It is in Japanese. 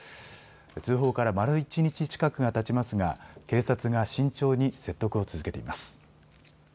通報から丸一日近くがたちますが警察が慎重に説得を続けています。